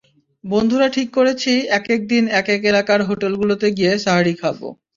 বন্ধুরা ঠিক করেছি, একেক দিন একেক এলাকার হোটেলগুলোতে গিয়ে সাহরি খাব।